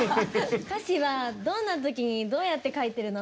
歌詞はどんな時にどうやって書いてるの？